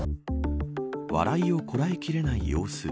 笑いをこらえきれない様子。